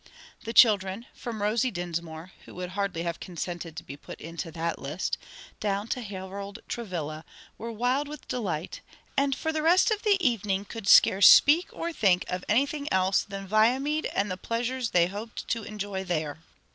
The children, from Rosie Dinsmore who would hardly have consented to be put into that list down to Harold Travilla, were wild with delight, and for the rest of the evening could scarce speak or think of anything else than Viamede and the pleasures they hoped to enjoy there.